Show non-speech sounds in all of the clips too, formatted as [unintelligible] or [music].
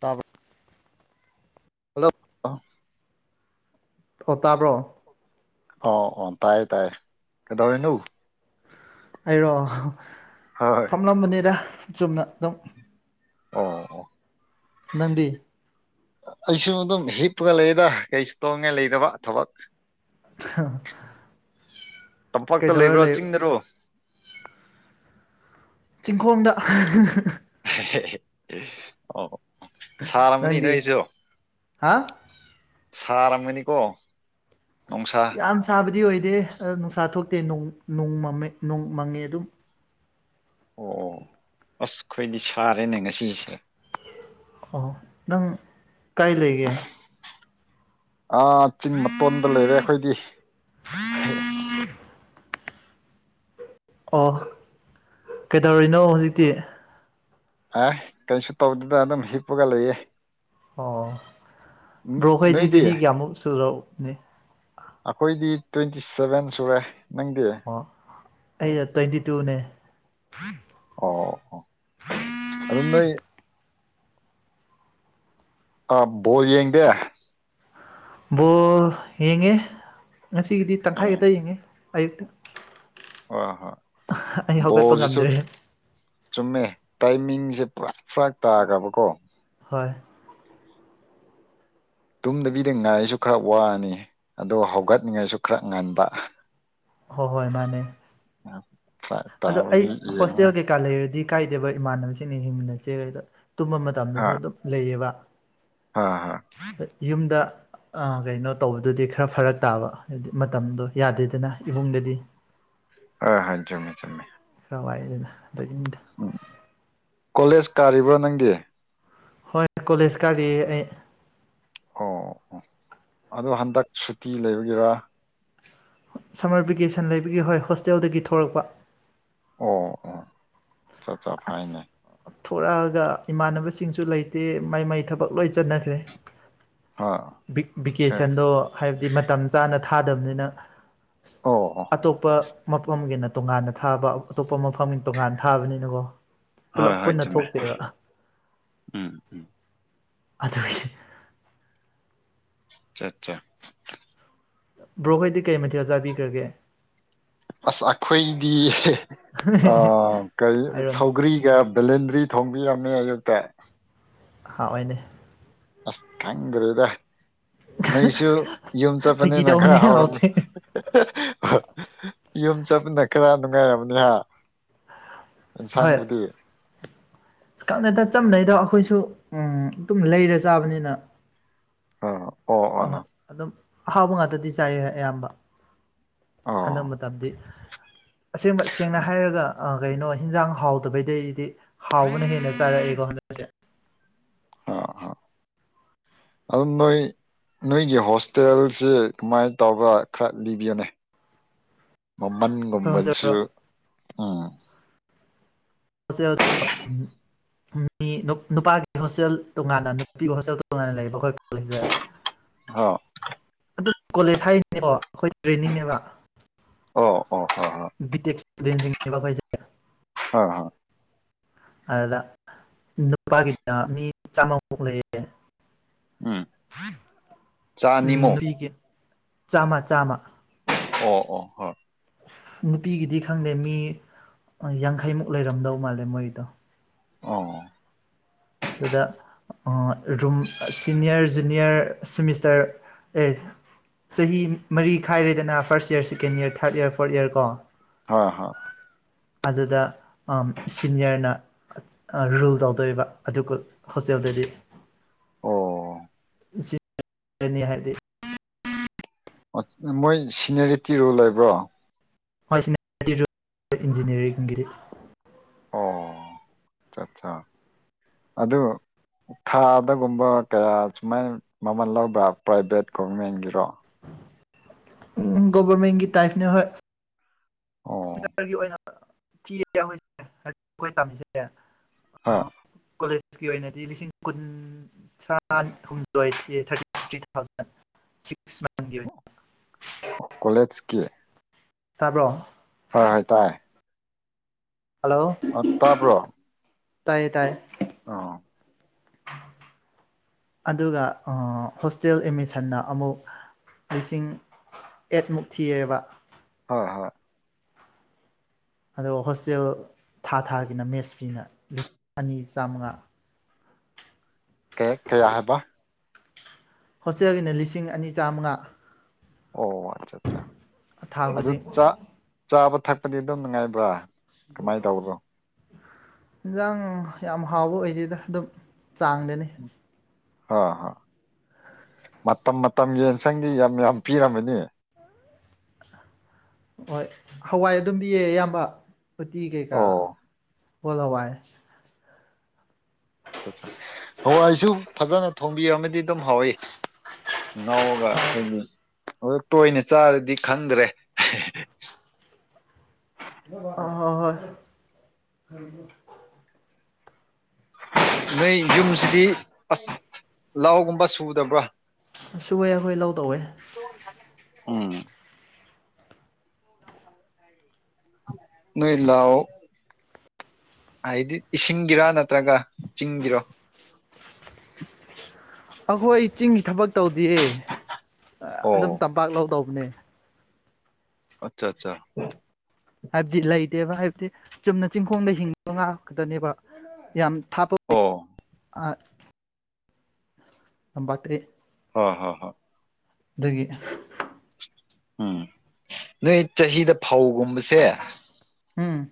ꯇꯕ ꯍꯜꯂꯣ ꯑ ꯑꯣ ꯇꯥꯕ꯭ꯔꯣ ꯑꯣ ꯑꯣ ꯇꯥꯏ ꯇꯥꯏ ꯀꯩꯗꯔꯤꯅꯣ ꯑꯩꯔꯣ ꯍꯣꯏ ꯑꯣ ꯐꯝꯂꯝꯕꯅꯦꯗ ꯆꯨꯝꯅ ꯑꯗꯨꯝ ꯑꯣ ꯅꯗꯤ ꯑꯩꯁꯨ ꯑꯗꯨꯝ ꯍꯤꯞꯄꯒ ꯂꯩꯗ ꯀꯩꯁꯨ ꯇꯣꯡꯉꯦ ꯂꯩꯗꯕ ꯊꯕꯛ ꯑ ꯇꯝꯄꯥꯛꯇ ꯂꯩꯕ꯭ꯔꯥ ꯂꯩ ꯆꯤꯡꯗꯔꯣ ꯆꯤꯡꯈꯣꯡꯗ ꯑꯣ ꯁꯥꯔꯃꯅꯤ ꯅꯣꯏ ꯅꯪꯗꯤ ꯑꯩꯁꯨ ꯍꯥ ꯁꯔ ꯃꯅꯤꯀꯣ ꯅꯅꯨꯡꯁꯥ ꯌꯥꯝ ꯁꯥꯕꯗꯤ ꯑꯣꯏꯗꯦꯍꯦ ꯅꯨꯡꯁꯥ ꯊꯣꯛꯇꯦ ꯅꯣꯡ ꯅꯣꯡ ꯃꯥꯝꯃꯦ ꯅꯣꯡ ꯃꯪꯉꯦ ꯑꯗꯨꯝ ꯑꯣ ꯑꯁ ꯑꯩꯈꯣꯏꯗꯤ ꯁꯥꯔꯦꯅꯦ ꯉꯁꯤꯁꯦ ꯑꯣ ꯅꯪ ꯀꯥꯏ ꯂꯩꯒꯦ ꯑ ꯆꯤꯡ ꯃꯇꯣꯟꯗ ꯂꯩꯔꯦ ꯑꯩꯈꯣꯏꯗꯤ ꯑꯣ ꯀꯩꯗꯧꯔꯤꯅꯣ ꯍꯧꯖꯤꯛꯇꯤ ꯑꯦꯍ ꯀꯩꯁꯨ ꯇꯧꯗꯗꯅ ꯑꯗꯨꯝ ꯍꯤꯞꯄꯒ ꯂꯩꯌꯦ ꯑꯣ ꯕ꯭ꯔꯣꯈꯣꯏꯗꯤ ꯅꯣꯏꯗꯤ ꯆꯍꯤ ꯀꯌꯥꯃꯨꯛ ꯁꯨꯅꯤ ꯑꯩꯈꯣꯏꯗꯤ ꯇ꯭ꯋꯦꯟꯇꯤ ꯁꯚꯦꯟ ꯁꯨꯔꯦ ꯅꯪꯗꯤ ꯑꯣ ꯑꯩ ꯇ꯭ꯋꯦꯟꯇꯤ ꯇꯨꯅꯦ ꯑꯣ ꯑꯣ ꯑꯗꯨꯅ ꯑ ꯕꯣꯜ ꯌꯦꯡꯗꯦ ꯕꯣꯜ ꯌꯦꯡꯉꯦ ꯉꯁꯤꯒꯤꯗꯤ ꯇꯪꯈꯥꯏ ꯎꯝ ꯈꯛꯇ ꯌꯦꯡꯉꯦ ꯑꯌꯨꯛꯇ ꯑ ꯍ ꯑꯩ ꯍꯧꯒꯠꯄ ꯖꯤꯁꯨ ꯉꯝꯗ꯭ꯔꯦ ꯆꯨꯝꯃꯦ ꯇꯥꯏꯃꯤꯡꯁꯦ ꯄꯨꯔꯥ ꯐꯔꯥ ꯇꯥꯈ꯭ꯔꯕꯀꯣ ꯍꯣꯏ ꯇꯨꯝꯗꯕꯤꯗ ꯉꯥꯏꯁꯨ ꯈꯔ ꯋꯥꯅꯤ ꯑꯗꯣ ꯍꯧꯒꯠꯅꯤꯡꯉꯥꯏꯁꯨ ꯈꯔ ꯉꯟꯕ ꯍꯣꯏ ꯍꯣꯏ ꯃꯥꯅꯦ ꯑꯗꯣ ꯇꯥꯕ ꯑꯩ ꯍꯣꯁꯇꯦꯜ ꯀꯩꯀꯥ ꯂꯩꯔꯗꯤ ꯀꯥꯏꯗꯦꯕ ꯏꯃꯥꯟꯅꯕꯁꯤꯡꯅ ꯍꯤꯡꯃꯤꯟꯅꯁꯦ ꯀꯩꯗ ꯇꯨꯝꯕ ꯍꯥ ꯃꯇꯝꯗꯁꯨ ꯑꯗꯨꯝ ꯂꯩꯌꯦꯕ ꯍꯥ ꯍꯥ ꯑꯗ ꯌꯨꯝꯗ ꯀꯩꯅꯣ ꯇꯧꯕꯗꯨꯗꯤ ꯈꯔ ꯐꯔꯛ ꯇꯥꯕ ꯍꯥꯏꯗꯤ ꯃꯇꯝꯗꯣ ꯌꯥꯗꯦꯗꯅ ꯏꯃꯨꯡꯗꯗꯤ ꯑꯥ ꯍꯣꯏꯖꯨꯝꯃꯦ ꯆꯖꯨꯝꯃꯦ ꯈꯔꯋꯥꯏꯗꯅ ꯑꯗꯗ ꯎꯝ ꯀꯣꯂꯦꯖ ꯀꯥꯔꯤꯕ꯭ꯔꯣ ꯅꯪꯗꯤ ꯍꯣꯏ ꯀꯣꯂꯦꯖ ꯀꯥꯔꯤ ꯑꯩ ꯑꯣ ꯑꯣ ꯑꯗꯣ ꯍꯟꯗꯛ ꯁꯨꯇꯤ ꯂꯩꯕꯒꯤꯔ ꯁꯝꯃꯔ ꯚꯦꯀꯦꯁꯟ ꯂꯩꯕꯒꯤ ꯍꯣꯏ ꯍꯣꯁꯇꯦꯜꯗꯒꯤ ꯊꯣꯛꯂꯛꯄ ꯑꯣ ꯑꯣ ꯆꯠ ꯆꯠ ꯐ ꯍꯥꯏꯅꯦ ꯊꯣꯛꯣꯔꯛꯑꯒ ꯏꯃꯥꯟꯅꯕꯁꯤꯡꯁꯨ ꯂꯩꯇꯦ ꯃꯩ ꯃꯩ ꯊꯕꯛ ꯂꯣꯏ ꯆꯟꯅꯈ꯭ꯔꯦ ꯍꯣꯏ ꯑꯦ ꯚꯤꯀꯦꯁꯟꯗꯣ ꯍꯥꯏꯕꯗꯤ ꯃꯇꯝ ꯆꯥꯅ ꯊꯥꯗꯕꯅꯤꯅ ꯑꯣ ꯑꯣ ꯑꯇꯣꯞꯄ ꯃꯐꯝꯒꯤꯅ ꯇꯣꯉꯥꯟꯅ ꯊꯥꯕ ꯑꯇꯣꯞꯄ ꯃꯐꯝ ꯇꯣꯉꯥꯟ ꯊꯥꯕꯅꯤꯅꯀꯣ ꯍꯣꯏ ꯄꯨꯂꯞ ꯍꯣꯏ ꯄꯨꯟꯅ ꯆꯨꯝꯃꯦ ꯊꯣꯛꯇꯦꯕ ꯎꯝ ꯎꯝ ꯑꯗꯨ ꯑꯆꯥ ꯑꯆꯥ ꯕ꯭ꯔꯣꯍꯔꯗꯤ ꯀꯩ ꯃꯊꯦꯜ ꯆꯥꯕꯤꯈ꯭ꯔꯒꯦ ꯑꯁ ꯑꯩꯈꯣꯏꯗꯤ ꯀꯔꯤ ꯍꯥꯏꯔꯣꯅꯦ ꯁꯧꯒ꯭ꯔꯤꯒ ꯕꯦꯂꯦꯟꯗ꯭ꯔꯤ ꯊꯣꯡꯕꯤꯔꯝꯃꯦ ꯑꯌꯨꯛꯇ ꯍꯥꯑꯣꯏꯅꯦ ꯑꯁ ꯈꯪꯗ꯭ꯔꯦꯗ ꯅꯣꯏꯁꯨ ꯌꯨꯝ ꯐꯥꯒꯤ ꯆꯠꯄꯅꯤꯅꯪ ꯈꯔ ꯇꯧꯕꯅꯦ ꯍꯥꯎꯔꯝꯃꯤ ꯍꯥꯎꯇꯦ ꯌꯨꯝ ꯆꯠꯃꯤꯟꯅ ꯈꯔ ꯅꯨꯡꯉꯥꯏꯔꯕꯅꯤꯍ ꯏꯟꯁꯥꯡꯕꯨꯗꯤ ꯀꯪꯅ ꯇ ꯆꯝꯅꯩꯗꯣ ꯑꯩꯈꯣꯏꯁꯨ ꯑꯗꯨꯝ ꯂꯩꯔ ꯆꯥꯕꯅꯤꯅ ꯍ ꯑꯍꯣꯏ ꯑꯗꯨꯝ ꯑꯍꯥꯎꯕ ꯉꯥꯛꯇꯗꯤ ꯆꯥꯏꯨ ꯑꯌꯥꯝꯕ ꯑꯣ ꯍꯟꯅ ꯃꯇꯝꯗꯤ ꯑꯁꯦꯡꯕ ꯁꯦꯡꯅ ꯍꯥꯏꯔꯒ ꯀꯩꯅꯣ ꯍꯤꯟꯖꯥꯡ ꯍꯥꯎꯗꯕꯩꯗꯩꯗꯤ ꯍꯥꯎꯕꯅ ꯍꯦꯟꯅ ꯆꯥꯔꯛꯏꯦꯀꯣ ꯍꯟꯗꯛꯁꯦ ꯍꯥ ꯍꯥ ꯑꯗꯨꯅ ꯅꯣꯏꯒꯤ ꯍꯣꯁꯇꯦꯜꯁꯤ ꯀꯃꯥꯏ ꯇꯧꯕ ꯈꯔ ꯂꯤꯕꯤꯌꯨꯅꯦ ꯑꯩꯈꯣꯏ ꯍꯣꯁꯇꯦꯜ ꯃꯃꯟꯒꯨꯝꯕꯁꯨ ꯎꯝ ꯍꯣꯁꯇꯦꯜ ꯃꯤ ꯅꯨꯄꯥꯒꯤ ꯍꯣꯁꯇꯦꯜ ꯇꯣꯉꯥꯟꯅ ꯅꯨꯄꯤꯒꯤ ꯍꯣꯁꯇꯦꯜ ꯇꯣꯉꯥꯟꯅ ꯂꯩꯕ ꯑꯩꯈꯣꯏ ꯑ ꯑꯗꯨꯝ ꯀꯣꯂꯦꯖ ꯍꯥꯏꯔꯤꯅꯦꯕꯣ ꯑꯩꯈꯣꯏ ꯇ꯭ꯔꯦꯟꯅꯤꯡꯅꯦꯕ ꯑꯣ ꯑꯣ ꯑꯣ ꯑꯣ [unintelligible] ꯑꯈꯣꯏꯁꯦ ꯍ ꯍ ꯑꯗ ꯅꯨꯄꯥꯒꯤꯗ ꯃꯤ ꯆꯥꯝꯃꯃꯨꯛ ꯂꯩꯌꯦ꯫ ꯎꯝ ꯎꯝ ꯆꯥꯅꯤꯃꯨꯛ ꯅꯨꯄꯤꯒꯤꯅ ꯆꯥꯝꯃ ꯆꯥꯝꯃ ꯑꯣ ꯑꯣ ꯍꯣꯏ ꯅꯨꯄꯤꯒꯤꯗꯤ ꯈꯪꯗꯦ ꯃꯤ ꯌꯥꯡꯈꯩꯃꯨꯛ ꯂꯩꯔꯝꯗꯧ ꯃꯥꯜꯂꯦ ꯃꯣꯏꯗꯣ꯫ ꯑꯣ ꯑꯗꯨꯗ ꯔꯨꯝ ꯁꯤꯅꯤꯌꯔ ꯖꯨꯅꯤꯌꯔ ꯁꯤꯃꯤꯁꯇꯔ ꯑꯩ ꯆꯍꯤ ꯃꯔꯤ ꯈꯥꯏꯔꯦꯗꯅ first year second year third year fourth year ꯀꯣ꯫ ꯍ ꯍꯣꯏ ꯑꯗꯨꯗ ꯑꯝ ꯁꯤꯅꯤꯌꯔꯅ ꯑ ꯔꯨꯜ ꯇꯧꯗꯣꯔꯤꯕ꯫ ꯑꯗꯨꯒ ꯍꯣꯁꯇꯦꯜꯗꯗꯤ ꯑꯣ [unintelligible] ꯅꯤ ꯍꯥꯏꯗꯤ ꯃꯣꯏ ꯁꯤꯅꯦꯔꯤꯇꯤ ꯔꯨꯜ ꯂꯩꯕ꯭ꯔꯣ꯫ ꯍꯣꯏ ꯁꯤꯅꯦꯔꯤꯇꯤ ꯔꯨꯜ ꯏꯟꯖꯤꯅꯤꯌꯥꯔꯤꯡꯒꯤꯗꯤ꯫ ꯑꯣ ꯑ ꯑꯠꯆꯥ ꯑꯗꯨ ꯊꯥꯗꯒꯨꯝꯕ ꯀꯌꯥ ꯁꯨꯃꯥꯏꯅ ꯃꯃꯜ ꯂꯧꯕ꯭ꯔꯥ ꯄ꯭ꯔꯥꯏꯚꯦꯠ ꯒꯣꯚꯔꯃꯦꯟꯒꯤꯁꯣ꯫ ꯎꯝ ꯒꯣꯚꯔꯃꯦꯟꯒꯤ ꯇꯥꯏꯞꯅꯦ ꯍꯣꯏ꯫ ꯑꯣ ꯔꯒꯤ ꯑꯣꯏꯅ ꯊꯤ ꯑꯈꯣꯏꯁꯦ ꯑꯈꯣꯏ ꯇꯥꯝꯃꯤꯁꯦ꯫ ꯍꯣꯏ ꯀꯣꯂꯦꯖꯀꯤ ꯑꯣꯏꯅꯗꯤ ꯂꯤꯁꯤꯡ ꯀꯨꯟ ꯆꯥ ꯍꯨꯝꯗꯣꯏꯊꯤ ꯊꯥꯔꯇꯤ ꯐꯤꯇꯤ ꯊꯥꯎꯖꯟ꯫ [unintelligible] ꯀꯣꯂꯦꯖ ꯀꯤ ꯇꯥꯕ꯭ꯔꯣ ꯍꯣꯏ ꯍꯣꯏ ꯇꯥꯏ ꯍꯜꯂꯣ ꯑ ꯇꯥꯕ꯭ꯔꯣ ꯇꯥꯏꯌꯦ ꯇꯥꯏꯌꯦ ꯑꯣ ꯑꯗꯨꯒ ꯑ ꯍꯣꯁꯇꯦꯜ ꯑꯦꯃꯤꯁꯟꯅ ꯑꯃꯨꯛ ꯂꯤꯁꯤꯡ ꯑꯦꯠꯃꯨꯛ ꯊꯤꯌꯦꯕ ꯍꯣꯏ ꯍꯣꯏ ꯑꯗꯨꯒ ꯍꯣꯁꯇꯦꯜ ꯊꯥ ꯊꯥꯒꯤꯅ ꯃꯦꯁ ꯐꯤꯅ ꯂꯤꯁꯤꯡ ꯑꯅꯤ ꯆꯥꯝꯃꯉꯥ꯫ ꯀꯦ ꯀꯌꯥꯥ ꯍꯥꯏꯕ ꯍꯣꯁꯇꯦꯜꯒꯤꯅ ꯂꯤꯁꯤꯡ ꯑꯅꯤ ꯆꯥꯝꯃꯉꯥ꯫ ꯑꯣ ꯑꯠꯆꯥ ꯑꯠꯆꯥ ꯊꯥ ꯑꯗꯨ ꯈꯨꯗꯤꯡ ꯆꯥ ꯆꯥꯕ ꯊꯛꯄꯗꯤ ꯑꯗꯨꯝ ꯅꯨꯡꯉꯥꯏꯕ꯭ꯔꯥ꯫ ꯀꯃꯥꯏꯅ ꯇꯧꯕꯅꯣ [unintelligible] ꯏꯟꯖꯥꯡ ꯌꯥꯝ ꯍꯥꯎꯕ ꯑꯣꯏꯗꯦꯗ ꯑꯗꯨꯝ ꯆꯥꯡꯗꯅꯤ꯫ ꯍꯣ ꯍꯣ [unintelligible] ꯃꯇꯝ ꯃꯇꯝꯒꯤ ꯌꯦꯟꯁꯪꯗꯤ ꯌꯥꯝ ꯌꯥꯝ ꯄꯤꯔꯝꯃꯅꯤ꯫ ꯍꯣꯏ ꯍꯋꯥꯏ ꯑꯗꯨꯝ ꯄꯤꯌꯦ ꯏꯌꯥꯝꯕ ꯎꯇꯤ ꯀꯩꯀꯥ ꯑꯣ ꯁꯒꯨꯜ ꯍꯋꯥꯏ꯫ ꯑꯠꯆꯥ ꯑꯠꯆꯥ ꯍꯋꯥꯏꯁꯨ ꯐꯖꯅ ꯊꯣꯝꯕꯤꯔꯝꯃꯗꯤ ꯑꯗꯨꯝ ꯍꯥꯎꯏ꯫ ꯉꯥꯎꯔꯒ ꯑꯈꯣꯏꯒꯤ ꯑꯗꯨ ꯇꯣꯏꯅ ꯆꯥꯔꯗꯤ ꯈꯪꯗ꯭ꯔꯦ꯫ ꯑ ꯍ ꯍꯣꯏ [unintelligible] ꯎꯝ [unintelligible] ꯅꯣꯏ ꯌꯨꯝꯁꯤꯗꯤ ꯑꯁ ꯂꯥꯎꯒꯨꯝꯕ ꯁꯨꯗꯕ꯭ꯔꯥ ꯁꯨꯋ‌ꯦ ꯑꯩꯈꯣꯏ ꯂꯧ ꯇꯧꯋꯦ ꯎꯝ ꯅꫭꯏ ꯂꯧ ꯍꯥꯏꯗꯤ ꯏꯁꯤꯡꯒꯤꯔꯥ ꯅꯠꯇ꯭ꯔꯒ ꯆꯤꯡꯒꯤꯔꯣ ꯑꯩꯈꯣꯏ ꯆꯤꯡꯒꯤ ꯊꯕꯛ ꯇꯧꯗꯤꯌ‌ꯦ ꯑꯣ ꯑꯗꯨꯝ ꯇꯝꯄꯥꯛ ꯂꯧꯇꯧꯕꯅꯦ ꯑꯠꯆꯥ ꯑꯠꯆꯥ ꯍꯥꯏꯕꯗꯤ ꯂꯩꯇꯦꯕ ꯍꯥꯏꯕꯗꯤ ꯆꯨꯝꯅ ꯆꯤꯡꯈꯣꯡꯗ ꯍꯤꯡꯕ ꯉꯥꯛꯀꯗꯅꯦꯕ [unintelligible] ꯌꯥꯝ ꯊꯥꯞꯄ ꯑꯣ ꯑꯥ ꯊꯝꯄꯥꯛꯇꯗꯤ ꯍ ꯍ ꯍ [unintelligible] ꯑꯗꯒꯤ ꯎꯝ ꯅꯣꯏ ꯆꯍꯤꯗ ꯐꯧꯒꯨꯝꯕꯁꯦ ꯎꯝ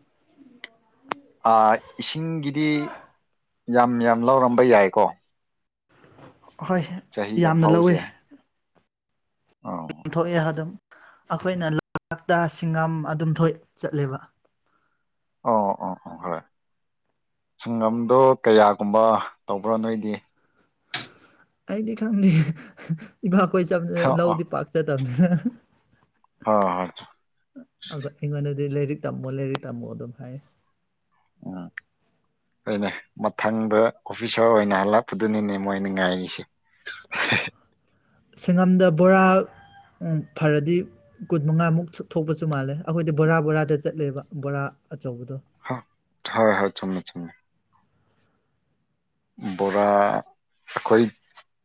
ꯑꯥ ꯏꯁꯤꯡꯒꯤꯗꯤ ꯌꯥꯝ ꯌꯥꯝ ꯂꯧꯔꯝꯕ ꯌꯥꯏꯀꯣ ꯑꯈꫭꯏ ꯆꯍꯤꯗ ꯐꯥꯎꯁꯦ ꯊꯣꯛꯑꯦ ꯑꯗꯨꯝ ꯑꯩꯈꯣꯏꯅ ꯂꯥꯛꯇ [unintelligible] ꯁꯤꯡꯉꯝ ꯑꯗꯨꯝ ꯊꯣꯛ ꯆꯠꯂꯦꯕ ꯑꯣ ꯑꯣ ꯑꯣ ꯍꯣꯏ ꯁꯪꯉꯥꯝꯗꯣ ꯀꯌꯥꯒꯨꯝꯕ ꯇꯧꯕ꯭ꯔꯥ ꯅꯣꯏꯗꯤ ꯑꯩꯗꯤ ꯈꯪꯗꯦ ꯏꯕꯥ ꯀꯣꯏ ꯆꯝꯅꯤꯅ ꯑꯣ [unintelligible] ꯑꯣ ꯂꯧꯗꯤ ꯄꯥꯛꯆꯗꯕꯅꯤ ꯍ ꯍꯣꯏ ꯑꯩꯉꯣꯟꯗꯗꯤ ꯂꯥꯏꯔꯤꯛ ꯇꯝꯃꯣ ꯂꯥꯏꯔꯤꯛ ꯇꯝꯃꯣ ꯑꯗꯨꯝ ꯍꯥꯏ ꯎꯝ ꯍꫭꯏꯅꯦ ꯃꯊꯪꯗ ꯑꯣꯐꯤꯁꯔ ꯑꯣꯏꯅ ꯍꯜꯂꯛꯄꯗꯨꯅꯤꯅꯦ ꯃꯣꯏꯅ ꯉꯥꯏꯔꯤꯁꯦ [unintelligible] ꯁꯪꯉꯝꯗ ꯕꯣꯔꯥ ꯎꯝ ꯐꯔꯗꯤ ꯀꯨꯟ ꯃꯉꯥꯃꯨꯛꯁꯨ ꯊꯣꯛꯄꯁꯨ ꯃꯥꯜꯂꯦ ꯑꯩꯈꯣꯏꯗꯤ ꯕꯣꯔꯥ ꯕꯣꯔꯥꯗ ꯆꯠꯂꯦꯕ ꯕꯣꯔꯥ ꯑꯆꯧꯕꯗꯣ ꯍꯣꯏ ꯍꯣꯏ ꯆꯨꯝꯃꯦ ꯆꯨꯝꯃꯦ ꯕꯣꯔꯥ ꯑꯩꯈꯣꯏ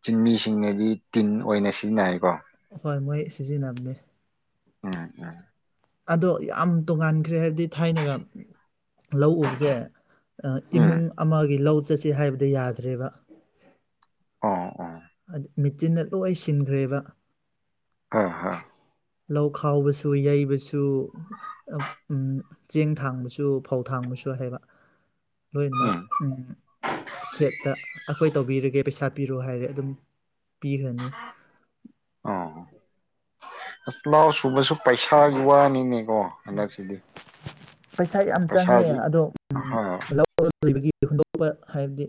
ꯆꯤꯡꯃꯤꯁꯤꯡꯅꯗꯤ ꯇꯤꯟ ꯑꯣꯏꯅ ꯁꯤꯖꯤꯟꯅꯩꯀꯣ ꯍꯣꯏ ꯃꯣꯏ ꯁꯤꯖꯤꯟꯅꯕꯅꯦ ꯎꯝ ꯎꯝ ꯑꯗꯣ ꯌꯥꯝ ꯇꯣꯉꯥꯟꯈ꯭ꯔꯦ ꯍꯥꯏꯕꯗꯤ ꯊꯥꯏꯅꯒ ꯂꯧ ꯎꯕꯖꯦ ꯎꯝ ꯏꯃꯨꯡ ꯑꯃꯒꯤ ꯂꯧ ꯆꯠꯁꯤ ꯍꯥꯏꯕꯗꯤ ꯌꯥꯗ꯭ꯔꯦꯕ ꯑꯣ ꯑꯣ ꯃꯦꯆꯤꯟꯅ ꯂꯣꯏ ꯁꯤꯟꯈ꯭ꯔꯦꯕ ꯍ ꯍ [unintelligible] ꯂꯧ ꯈꯥꯎꯕꯁꯨ ꯌꯩꯕꯁꯨ ꯎꯝ ꯆꯦꯡ ꯊꯥꯡꯕꯁꯨ ꯐꯧ ꯊꯥꯡꯕꯁꯨ ꯍꯥꯏꯕ ꯂꯣꯏꯅꯃꯛ ꯎꯝ ꯁꯦꯠꯇ ꯑꯩꯈꯣꯏ ꯇꯧꯕꯤꯔꯒꯦ ꯄꯩꯁꯥ ꯄꯤꯔꯣ ꯍꯥꯏꯔꯦ ꯑꯗꯨꯝ ꯄꯤꯔꯅꯤ ꯑ ꯂꯥꯎ ꯁꯨꯕꯁꯨ ꯄꯩꯁꯥꯒꯤ ꯋꯥꯅꯤꯅꯦꯀꯣ ꯍꯟꯗꯛꯁꯤꯗꯤ ꯄꯩꯁꯥ ꯌꯥꯝ ꯆꯪꯉꯦ ꯄꯩꯁꯥꯗꯤ ꯑꯗꯣ ꯍꯣꯏ ꯂꯧ ꯂꯩꯕꯒꯤ ꯍꯨꯟꯗꯣꯛꯄ ꯍꯥꯏꯕꯗꯤ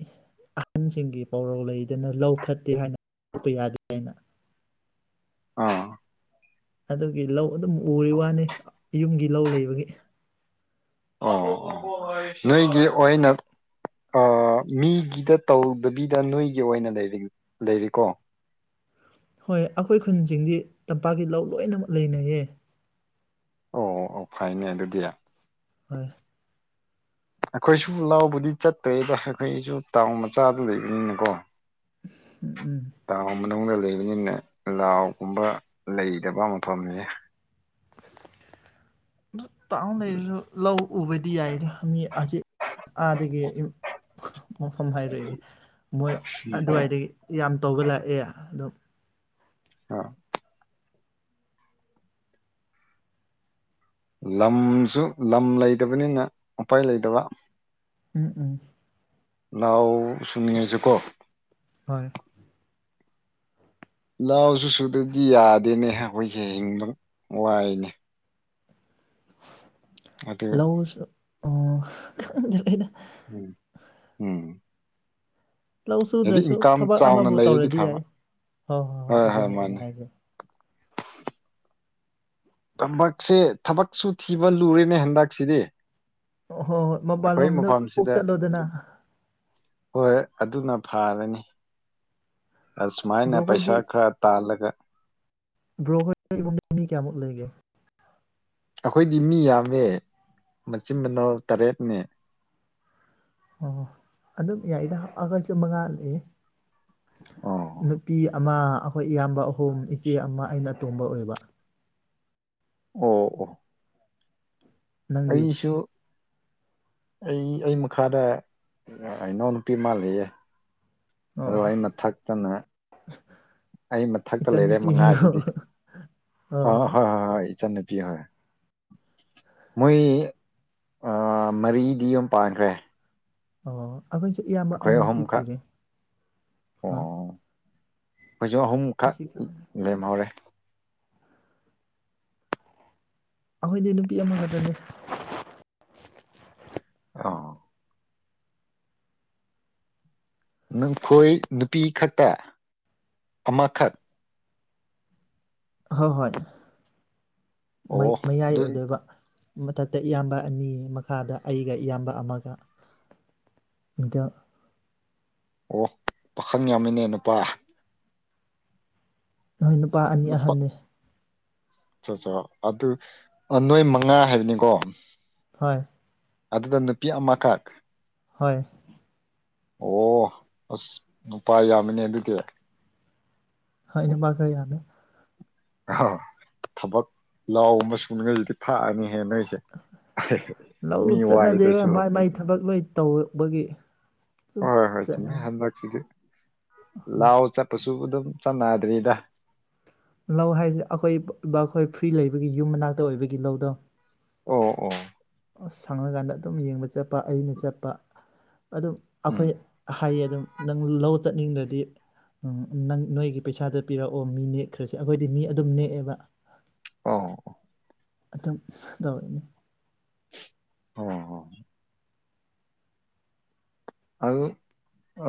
ꯑꯍꯟꯁꯤꯡꯒꯤ ꯄꯥꯎꯔꯧ ꯂꯩꯗꯅ ꯂꯧ ꯐꯠꯇꯦ ꯍꯥꯏꯅ ꯂꯧꯣꯛꯄ ꯌꯥꯗꯦ ꯑꯩꯅ ꯑꯥ ꯑꯗꯨꯒꯤ ꯂꯧ ꯑꯗꯨꯝ ꯎꯔꯤ ꯋꯥꯅꯤ ꯌꯨꯝꯒꯤ ꯂꯧ ꯂꯩꯕꯒꯤ ꯑ ꯅꯣꯏꯒꯤ ꯑꯣꯏꯅ ꯃꯤꯒꯤꯗ ꯇꯧꯗꯕꯤꯗ ꯅꯣꯏꯒꯤ ꯑꯣꯏꯅꯔꯤ ꯂꯩꯔꯤꯀꯣ ꯍꯣꯏ ꯑꯩꯈꯣꯏ ꯈꯨꯟꯁꯤꯡꯗꯤ ꯇꯝꯄꯥꯛꯀꯤ ꯂꯧ ꯂꯣꯏꯅꯃꯛ ꯂꯩꯅꯩꯌꯦ ꯑꯣ ꯑꯣ ꯑꯣ ꯐꯥꯏꯅꯦ ꯑꯗꯨꯗꯤ ꯍꯣꯏ ꯑꯩꯈꯣꯏꯁꯨ ꯂꯥꯎꯕꯨꯗꯤ ꯆꯠꯇꯣꯏꯕ ꯑꯩꯈꯣꯏꯁꯨ ꯇꯥꯎꯟ ꯃꯆꯥꯗ ꯂꯩꯕꯅꯤꯅꯀꯣ ꯎꯝ ꯎꯝ ꯇꯥꯎꯟ ꯃꯅꯨꯡꯗ ꯂꯩꯕꯅꯤꯅ ꯂꯥꯎꯒꯨꯝꯕ ꯂꯩꯇꯕ ꯃꯐꯝꯅꯤ ꯇꯥꯎꯅ ꯂꯩꯔꯁꯨ ꯂꯧ ꯎꯕꯗꯤ ꯌꯥꯏꯗ ꯃꯤ ꯍꯧꯖꯤꯛ ꯑꯥꯗꯒꯤ ꯃꯐꯝ ꯍꯥꯏꯔꯛꯑꯒꯦ ꯃꯣꯏ ꯑꯗꯨꯋꯥꯏꯗꯒꯤ ꯌꯥꯝ ꯇꯧꯕ ꯂꯥꯛꯑꯦ ꯑꯗꯨꯝ ꯑ [unintelligible] ꯂꯝꯁꯨ ꯂꯝ ꯂꯩꯇꯕꯅꯤꯅ ꯎꯄꯥꯏ ꯂꯩꯇꯕ ꯎꯝ ꯎꯝ ꯂꯅꯥꯎ ꯁꯨꯡꯉꯖꯀꯣ ꯍꯣꯏ ꯂꯥꯎꯁꯨ ꯁꯨ ꯑꯗꯨꯗꯤ ꯌꯥꯗꯦꯅꯦ ꯑꯩꯈꯣꯏꯁꯦ ꯍꯤꯡꯕ ꯋꯥꯏꯅꯦ ꯑꯗꯨ ꯂꯎꯁ ꯑ ꯎꯝ ꯎꯝ ꯂꯧ ꯍꯥꯏꯗꯤ ꯁꯨꯗ꯭ꯔꯁꯨ ꯏꯟꯀꯝ ꯊꯕꯛ ꯆꯥꯎꯅ ꯑꯃꯕꯨ ꯂꯩꯔꯗꯤ ꯇꯧꯔꯗꯤ ꯐꯕ ꯌꯥꯏ ꯍꯣꯏ ꯍꯣꯏ ꯍꯣꯏ ꯑꯗꯨꯅꯤ ꯑꯩꯅ ꯍꯥꯏꯖꯩ ꯊꯕꯛꯁꯦ ꯊꯕꯛꯁꯨ ꯊꯤꯕ ꯂꯨꯔꯦꯅꯦ ꯍꯟꯗꯛꯁꯤꯗꯤ ꯍꯣꯏ ꯍꯣꯏ ꯃꯄꯥꯟ ꯑꯩꯈꯣꯏ ꯂꯣꯝꯗ ꯀꯣꯛ ꯃꯐꯝꯁꯤꯗ ꯆꯠꯂꯣꯗꯅ ꯍꯣꯏ ꯑꯗꯨꯅ ꯐꯥꯔꯅꯤ ꯑꯁꯨꯃꯥꯏꯅ ꯕ꯭ꯔꯣꯈꯣꯏꯗꯤ ꯄꯩꯁꯥ ꯈꯔ ꯇꯥꯜꯂꯒ ꯭ꯔꯣꯍ ꯃꯤ ꯀꯌꯥꯃꯨꯛ ꯂꯩꯒꯦ ꯑꯩꯈꯣꯏꯗꯤ ꯃꯤ ꯌꯥꯝꯃꯦ ꯃꯆꯤꯟ ꯃꯅꯥꯎ ꯇꯔꯦꯠꯅꯦ ꯑꯣ ꯑꯗꯨꯝ ꯌꯥꯏꯗ ꯍꯞꯑꯒꯁꯨ ꯃꯉꯥꯜꯂꯑꯦ ꯑꯣ ꯅꯨꯄꯤ ꯑꯃ ꯑꯩꯈꯣꯏ ꯏꯌꯥꯝꯕ ꯑꯍꯨꯝ ꯏꯆꯦ ꯑꯃ ꯑꯩꯅ ꯑꯇꯣꯕ ꯑꯣꯏꯕ ꯑꯣ ꯑꯣ ꯅꯪꯗꯤ ꯑꯩꯁꯨ ꯑꯩ ꯑꯩ ꯃꯈꯥꯗ ꯏꯅꯥꯎꯅꯨꯄꯤ ꯃꯥ ꯂꯩꯌꯦ ꯑꯗꯣ ꯑꯣ ꯑ ꯃꯊꯛꯇꯅ [unintelligible] ꯑꯩ ꯃꯊꯛꯇ ꯂꯩꯔꯦ ꯏꯆꯟꯅꯨꯄꯤ ꯍꯥꯏꯌꯣ ꯃꯉꯥꯁꯤꯗꯤ ꯍꯣꯏ ꯑ ꯍꯣꯏ ꯍꯣꯏ ꯍꯣꯏ ꯏꯆꯟꯟꯅꯨꯄꯤ ꯍꯣꯏ ꯃꯣꯏ ꯃꯔꯤꯗꯤ ꯑꯃ ꯄꯥꯟꯈ꯭ꯔꯦ ꯑ ꯑꯩꯈꯣꯏꯁꯨꯦ ꯏꯌꯥꯝꯕ ꯑꯩꯈꯣꯏ ꯑꯃ ꯑꯍꯨꯝꯈꯛ ꯄꯤꯊꯤꯔꯦ ꯑ ꯍꯧꯣꯏꯁꯨꯛ ꯑꯍꯨꯝꯈꯛ ꯑꯁꯤ ꯂꯩꯦꯝꯍꯧꯔꯦ ꯑꯩꯈꯣꯏꯗꯤ ꯅꯨꯄꯤ ꯑꯃꯈꯛꯇꯅꯤ ꯑ [unintelligible] ꯅꯈꯣꯏ ꯅꯨꯄꯤ ꯈꯛꯇ ꯑꯃꯈꯛ ꯑꯍꯣꯏ ꯍꯣꯏ ꯑꯣ ꯃꯌꯥꯏ ꯑꯗꯨ ꯑꯣꯏꯗꯣꯏꯕ ꯃꯊꯛꯇ ꯏꯌꯥꯝꯕ ꯑꯅꯤ ꯃꯈꯥꯗ ꯑꯩꯒ ꯏꯌꯥꯝꯕ ꯑꯃꯒꯗ ꯑꯣ ꯄꯥꯈꯪ ꯌꯥꯝꯃꯤꯅꯦ ꯅꯨꯄꯥ ꯅꯣꯏ ꯅꯨꯄꯥ ꯑꯅꯤ ꯅꯨꯄꯥ ꯑꯍꯟꯅꯅꯤ ꯑꯆꯥ ꯑꯠꯆꯥ ꯑꯗꯨ ꯅꯣꯏ ꯃꯉꯥ ꯍꯥꯏꯕꯅꯤꯀꯣ ꯍ ꯑꯗꯨꯗ ꯅꯨꯄꯤ ꯑꯃꯈꯛ ꯍꯣꯏ ꯑꯣ ꯑꯁ ꯅꯨꯄꯥ ꯌꯥꯝꯕꯅꯦ ꯑꯗꯨꯒꯤ ꯍ ꯏꯅ ꯃꯥ ꯀ꯭ꯔ ꯌꯥꯅ ꯑ ꯊꯕꯛ ꯂꯥꯎ ꯑꯃꯁꯨꯡ ꯁꯨꯅꯤꯉꯁꯤꯗꯤ ꯊꯥꯛꯑꯅꯤ ꯍꯦꯟꯅꯔꯤꯁꯦ ꯂꯧ ꯆꯠꯅꯗꯦꯕ ꯃꯥꯏ ꯃꯥꯏ ꯊꯕꯛ ꯂꯣꯏ ꯇꯧꯔꯛꯧꯕꯒꯤ ꯍꯣꯏ ꯍꯣꯏ ꯍꯣꯏ ꯆꯨꯝꯃꯦ ꯍꯟꯗꯛꯁꯤꯗꯤ ꯍꯣꯏ ꯂꯥꯎ ꯆꯠꯄꯁꯨ ꯑꯗꯨꯝ ꯆꯥꯟꯅꯗ꯭ꯔꯤꯗ ꯂꯧ ꯍꯥꯏꯁꯦ ꯑꯩꯈꯣꯏ ꯑꯩꯈꯣꯏ ꯐ꯭ꯔꯤ ꯂꯩꯕꯒꯤ ꯌꯨꯝ ꯃꯅꯥꯛꯇ ꯑꯣꯏꯕꯒꯤ ꯂꯧꯗꯣ ꯑꯣ ꯑꯣ ꯁꯪꯅꯀꯥꯟꯗ ꯑꯗꯨꯝ ꯌꯦꯡꯕ ꯆꯠꯄ ꯑꯩꯅ ꯆꯠꯄ ꯑꯗꯨꯝ ꯎꯝ ꯑꯩꯈꯣꯏ ꯍꯥꯏꯌꯦ ꯑꯗꯨꯝ ꯅꯪ ꯂꯧ ꯆꯠꯅꯤꯡꯗ꯭ꯔꯗꯤ ꯎꯝ ꯅꯪ ꯅꯣꯏꯒꯤ ꯄꯩꯁꯥꯗ ꯄꯤꯔꯛꯑꯣ ꯃꯤ ꯅꯦꯛꯈ꯭ꯔꯁꯦ ꯑꯩꯈꯣꯏꯗꯤ ꯃꯤ ꯑꯗꯨꯝ ꯅꯦꯛꯑꯦꯕ ꯑ ꯑꯗꯨꯝ ꯇꯧꯔꯤꯛꯅꯤ ꯑꯣ ꯑꯗꯨ ꯑ